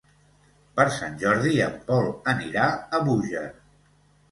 Per Sant Jordi en Pol anirà a Búger.